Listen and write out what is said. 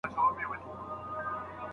د هېواد ملي بانکونه د خلکو پيسي ساتي.